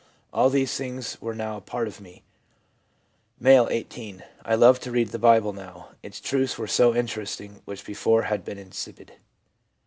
All these things were now a part of me.' M., 1 8. ' I loved to read the Bible now. Its truths were so interesting which before had been insipid.'